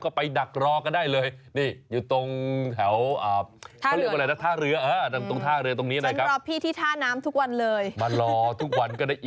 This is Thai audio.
ก็ไปดักรอกันได้เลยนี่อยู่ตรงแถว